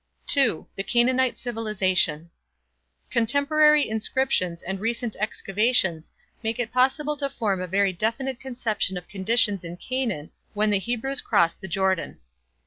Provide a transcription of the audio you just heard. II. THE CANAANITE CIVILIZATION. Contemporary inscriptions and recent excavations make it possible to form a very definite conception of conditions in Canaan when the Hebrews crossed the Jordan.